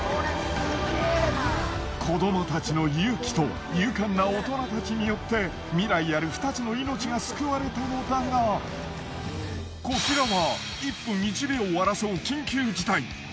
子どもたちの勇気と勇敢な大人たちによって未来ある２つの命が救われたのだがこちらは。